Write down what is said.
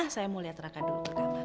saya mau lihat raka dulu ke kamar